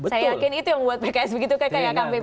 saya yakin itu yang membuat pks begitu kekeh